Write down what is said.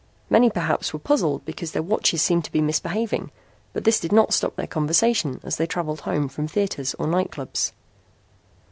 Many perhaps were puzzled because their watches seemed to be misbehaving but this did not stop their conversation as they traveled home from theaters or night clubs.